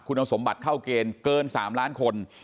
คุณสมบัติเข้าเกณฑ์เกิน๓ล้านคน